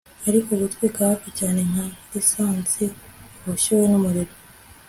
ariko gutwika hafi cyane nka lisansi, ubushyuhe, numuriro